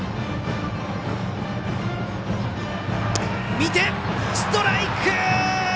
見て、ストライク！